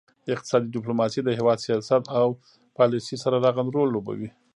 اقتصادي ډیپلوماسي د هیواد سیاست او پالیسي سره رغند رول لوبوي